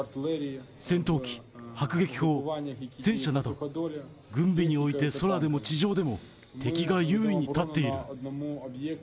戦闘機、迫撃砲、戦車など、軍備において空でも地上でも、敵が優位に立っている。